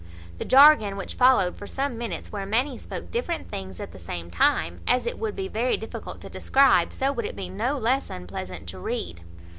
The jargon which followed for some minutes, where many spoke different things at the same time, as it would be very difficult to describe, so would it be no less unpleasant to read.